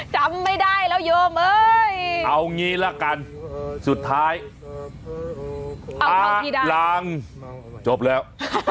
จำไม่ได้แล้วโยมเอ้ยเอางี้ละกันสุดท้ายหลังจบแล้ว